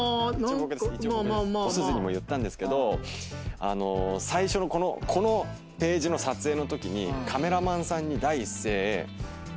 おすずにも言ったんですけど最初のこのページの撮影のときにカメラマンさんに第一声。